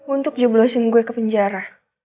untuk joblosin gue ke penjara